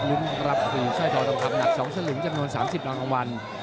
รุ้นรับคือสร้อยทองคำหนัก๒สลึงจำนวน๓๐รางวัล